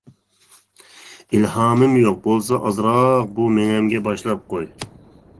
ئىلھامىم يوق، بولسا ئازراق بۇ مېڭەمگە باشلاپ قوي.